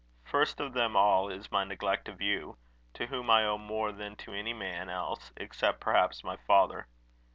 First of them all is my neglect of you, to whom I owe more than to any man else, except, perhaps, my father.